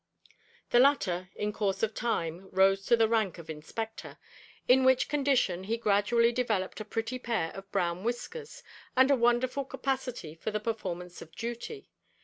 The latter, in course of time, rose to the rank of Inspector, in which condition he gradually developed a pretty pair of brown whiskers and a wonderful capacity for the performance of duty.